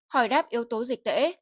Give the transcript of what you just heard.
hỏi đáp yếu tố dịch tễ